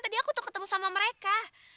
tadi aku tuh ketemu sama mereka